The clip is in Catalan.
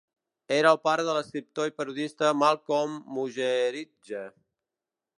Era el pare de l'escriptor i periodista Malcolm Muggeridge.